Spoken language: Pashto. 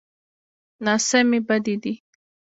ناسمي بد دی.